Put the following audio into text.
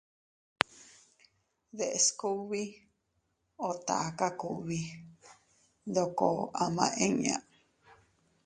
Deʼes kugbi o taka kugbi ndoko ama inña.